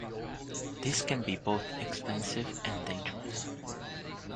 This can be both expensive and dangerous.